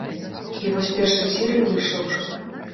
І вось першая серыя выйшла ўжо.